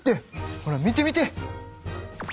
ほら見て見て。